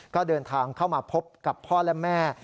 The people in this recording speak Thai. ก็เดินทางเข้ามาพบกับพ่อและแม่